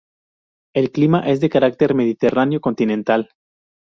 El clima es de carácter mediterráneo continental.